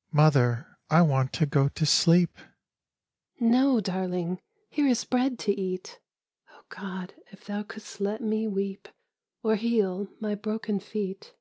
" Mother, I want to go to sleep." " No, darling ! Here is bread to eat ! (Oh, God if thou couldst let me weep Or heal my broken feet